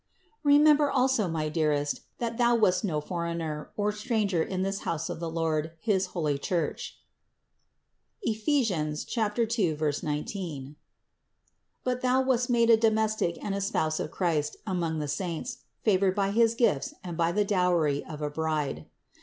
108. Remember, also, my dearest, that thou wast no foreigner, or stranger in this house of the Lord, his holy Church (Ephes. 2, 19) ; but thou wast made a do mestic and a spouse of Christ among the saints, favored by his gifts and by the dowry of a bride.